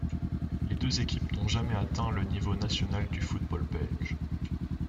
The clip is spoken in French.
Les deux équipes n'ont jamais atteint le niveau national du football belge.